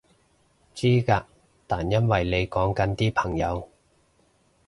知嘅，但因為你講緊啲朋友